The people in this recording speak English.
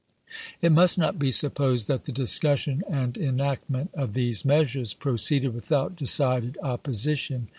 It must not be supposed that the discussion and enactment of these measures proceeded without decided opposition.